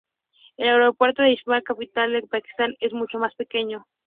El aeropuerto de Islamabad, capital de Pakistán, es mucho más pequeño.